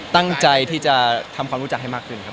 ตั้งใจที่จะทำความรู้จักให้มากขึ้นครับ